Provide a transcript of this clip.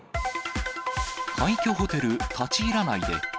廃虚ホテル、立ち入らないで。